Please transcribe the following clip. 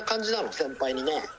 先輩にね」